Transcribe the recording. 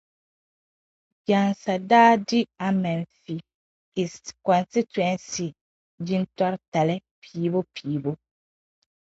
Ghansah daa di Amenfi East Constituency jintɔri tali piibu piibu.